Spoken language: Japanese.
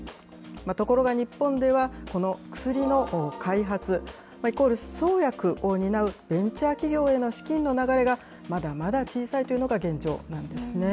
ところが日本では、この薬の開発イコール創薬を担うベンチャー企業への資金の流れが、まだまだ小さいというのが現状なんですね。